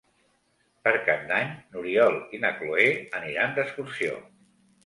Per Cap d'Any n'Oriol i na Cloè aniran d'excursió.